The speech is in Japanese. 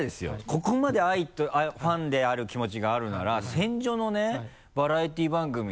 ここまでファンである気持ちがあるなら仙女のねバラエティー番組ね。